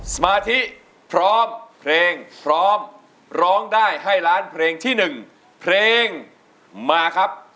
สมาธิพร้อมเพลงพร้อมร้องได้ให้ล้านเพลงที่๑เพลงมาครับ